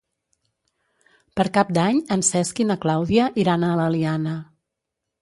Per Cap d'Any en Cesc i na Clàudia iran a l'Eliana.